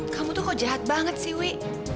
kamu tuh kok jahat banget sih wi